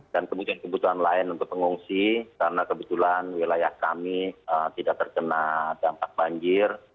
dan kebutuhan lain untuk pengungsi karena kebetulan wilayah kami tidak terkena dampak banjir